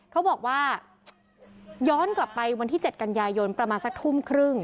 เขาบอกว่าย้อนกลับไปวันที่๗กันยายนประมาณสักทุ่มครึ่ง